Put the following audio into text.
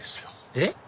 えっ？